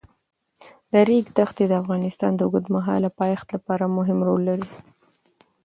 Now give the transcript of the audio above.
د ریګ دښتې د افغانستان د اوږدمهاله پایښت لپاره مهم رول لري.